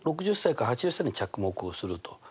６０歳から８０歳に着目をすると。